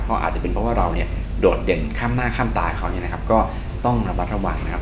ก็อาจจะเป็นเพราะว่าเราเนี่ยโดดเด่นข้ามหน้าข้ามตาเขาเนี่ยนะครับก็ต้องระมัดระวังนะครับ